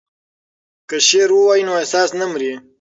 که شعر ووایو نو احساس نه مري.